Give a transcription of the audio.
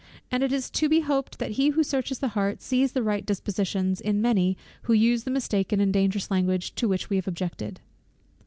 And it is to be hoped that he who searches the heart, sees the right dispositions in many who use the mistaken and dangerous language to which we have objected.